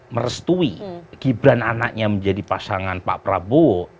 merestui gibran anaknya menjadi pasangan pak prabowo